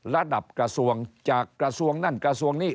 ระดับกระทรวงจากกระทรวงนั่นกระทรวงนี้